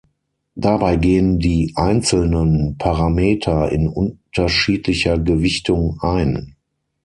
Dabei gehen die einzelnen Parameter in unterschiedlicher Gewichtung ein.